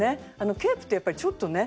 ケープってやっぱりちょっとね